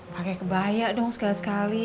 pake kebaya dong sekali sekala